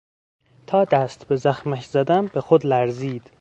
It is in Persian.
تا دست به زخمش زدم به خود لرزید.